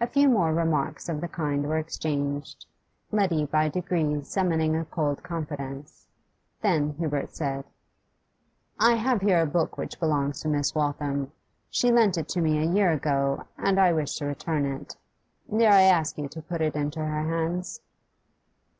A few more remarks of the kind were exchanged, Letty by degrees summoning a cold confidence; then Hubert said 'I have here a book which belongs to Miss Waltham. She lent it to me a year ago, and I wish to return it. Dare I ask you to put it into her hands?